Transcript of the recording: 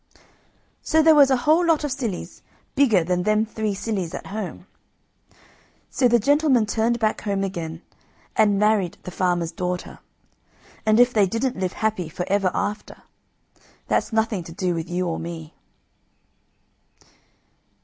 So there was a whole lot of sillies bigger than them three sillies at home. So the gentleman turned back home again and married the farmer's daughter, and if they didn't live happy for ever after, that's nothing to do with you or me.